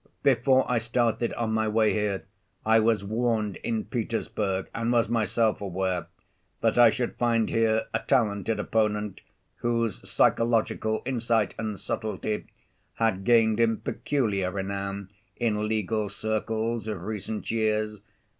Before I started on my way here, I was warned in Petersburg, and was myself aware, that I should find here a talented opponent whose psychological insight and subtlety had gained him peculiar renown in legal circles of recent years.